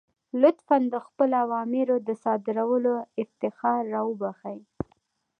لطفا د خپلو اوامرو د صادرولو افتخار را وبخښئ.